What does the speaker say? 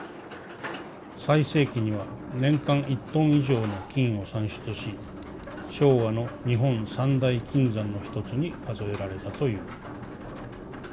最盛期には年間１トン以上の金を産出し昭和の日本三大金山のひとつに数えられたという」。